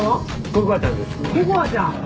ココアちゃん？